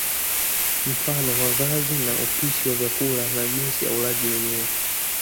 Mfano mavazi na upishi wa vyakula na jinsi ya ulaji wenyewe